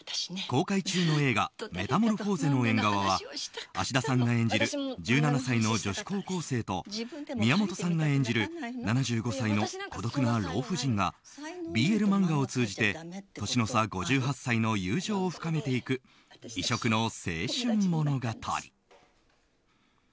公開中の映画「メタモルフォーゼの縁側」は芦田さんが演じる１７歳の女子高校生と宮本さんが演じる７５歳の孤独な老婦人がＢＬ漫画を通じて年の差５８歳の友情を深めていく異色の青春物語。